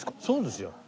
そうですよ。